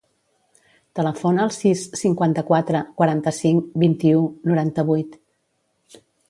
Telefona al sis, cinquanta-quatre, quaranta-cinc, vint-i-u, noranta-vuit.